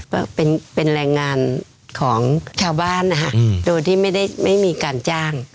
ก็เป็นแรงงานของชาวบ้านนะฮะโดยที่ไม่ได้ไม่มีการจ้าง